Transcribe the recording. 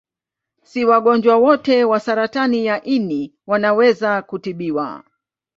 Si wagonjwa wote wa saratani ya ini wanaweza kutibiwa.